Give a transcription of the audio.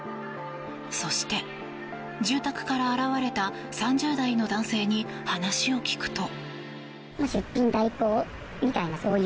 そして、住宅から現れた３０代の男性に話を聞くと。